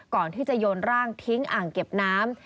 ก่อนที่จะโยนร่างทิ้งอ่างเก็บน้ำ